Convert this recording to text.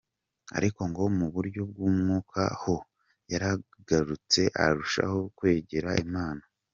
Ariko ngo mu buryo bw’umwuka ho, yaragutse, arushaho kwegera Imana.